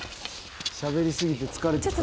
「しゃべりすぎて疲れちゃった」